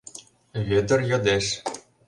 — Вӧдыр йодеш.